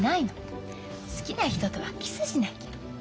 好きな人とはキスしなきゃ。